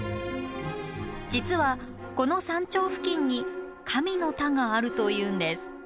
実はこの山頂付近に「神の田」があるというんです。